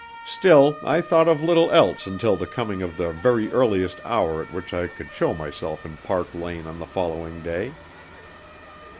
Still, I thought of little else until the coming of the very earliest hour at which I could show myself in Park Lane on the following day.